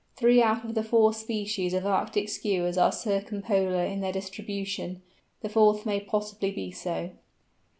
Three out of the four species of Arctic Skuas are circumpolar in their distribution; the fourth may possibly be so.